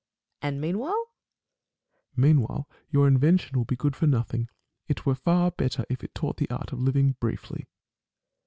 Nat. Phil. And meanwhile ? Met. Meanwhile your invention will be good for nothing. It were far better if it taught the art of living briefly.